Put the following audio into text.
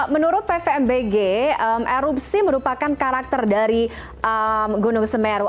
menurut pvmbg erupsi merupakan karakter dari gunung semeru